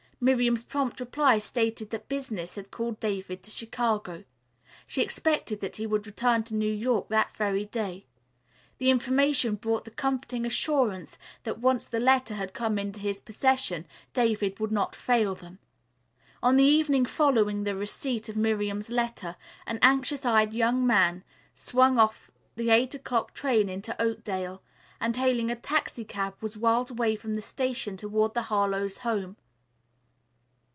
Miriam's prompt reply stated that business had called David to Chicago. She expected that he would return to New York that very day. The information brought the comforting assurance that once the letter had come into his possession David would not fail them. On the evening following the receipt of Miriam's letter, an anxious eyed young man swung off the eight o'clock train into Oakdale, and hailing a taxicab was whirled away from the station toward the Harlowe's home.